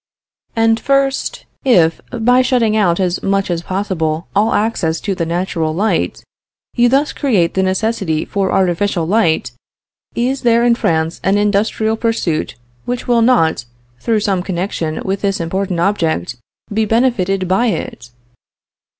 "And first, if, by shutting out as much as possible all access to natural light, you thus create the necessity for artificial light, is there in France an industrial pursuit which will not, through some connection with this important object, be benefited by it?